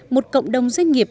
một cộng đồng doanh nghiệp